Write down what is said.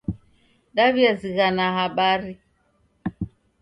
Daw'iazighana habari.